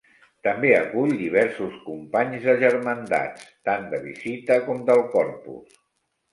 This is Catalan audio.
També acull diversos companys de germandats, tant de visita com del Corpus.